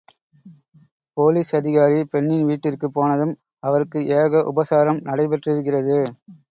Police அதிகாரி பெண்ணின் வீட்டிற்குப் போனதும் அவருக்கு ஏக உபசாரம் நடைபெற்றிருக்கிறது.